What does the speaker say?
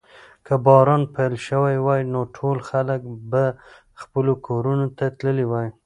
که باران پیل شوی وای نو ټول خلک به خپلو کورونو ته تللي وای.